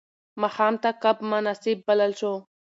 ماښام ته کب مناسب بلل شو.